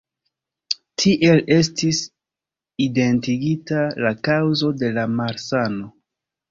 Tiel estis identigita la kaŭzo de la malsano.